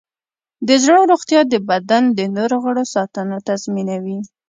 د زړه روغتیا د بدن د نور غړو ساتنه تضمینوي.